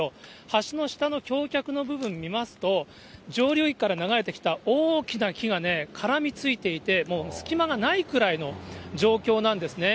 橋の下の橋脚の部分見ますと、上流域から流れてきた大きな木が絡みついていて、もう隙間がないくらいの状況なんですね。